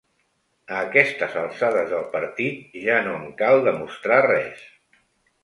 A aquestes alçades del partit ja no em cal demostrar res.